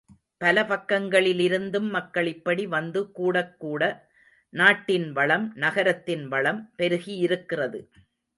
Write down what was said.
பல பக்கங்களிலிருந்தும் மக்கள் இப்படி வந்து கூடக் கூட நாட்டின் வளம், நகரத்தின் வளம் பெருகியிருக்கிறது.